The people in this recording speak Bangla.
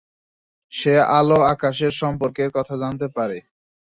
সে আলো আকাশের সম্পর্কের কথা জানতে পারে।